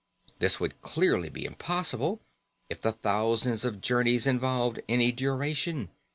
This would clearly be impossible if the thousands of journeys involved any duration.